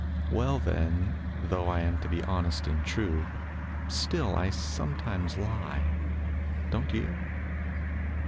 Well, then, though I aim to be honest and true, Still I sometimes lie. Don't you?